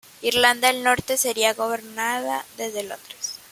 Irlanda del Norte sería gobernada desde Londres.